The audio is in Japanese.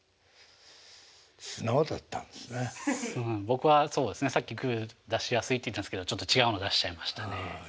僕はそうですねさっきグー出しやすいって言ったんですけどちょっと違うの出しちゃいましたね。